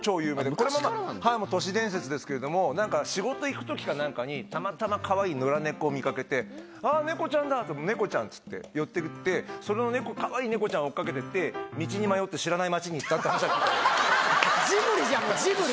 これも都市伝説ですけれども、仕事行くときかなんかに、たまたまかわいい野良猫を見かけて、ああ、猫ちゃんだ、猫ちゃんって寄ってって、そのかわいい猫ちゃん追っかけてって、道に迷って知らない町に行ったっていう話は聞いたことある。